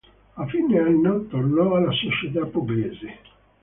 A fine anno tornò alla società pugliese.